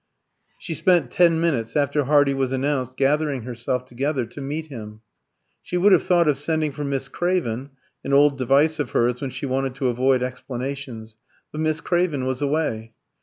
She spent ten minutes after Hardy was announced gathering herself together to meet him. She would have thought of sending for Miss Craven, an old device of hers when she wanted to avoid explanations; but Miss Craven was away.